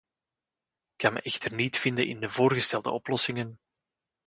Ik kan me echter niet vinden in de voorgestelde oplossingen.